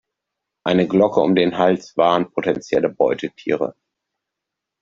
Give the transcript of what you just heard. Eine Glocke um den Hals warnt potenzielle Beutetiere.